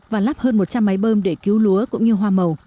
và lắp hơn một trăm linh máy bơm để cứu lúa cũng như hoa màu